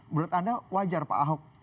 menurut anda wajar pak ahok